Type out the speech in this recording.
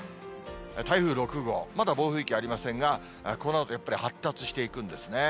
台風６号、まだ暴風域ありませんが、このあとやっぱり発達していくんですね。